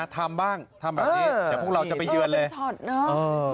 ทำบ้างทำแบบนี้แต่พวกเราจะไปเยือนเลยเออเป็นชอตเนอะ